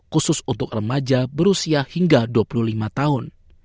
khusus untuk remaja berusia hingga dua puluh lima tahun